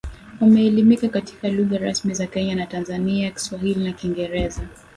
wameelimika katika lugha rasmi za Kenya na Tanzania Kiswahili na Kiingereza